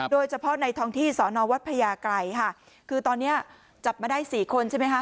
โดยเฉพาะในท้องที่สอนอวัดพญาไกรค่ะคือตอนเนี้ยจับมาได้สี่คนใช่ไหมคะ